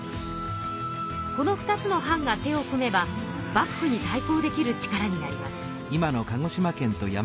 この２つの藩が手を組めば幕府に対こうできる力になります。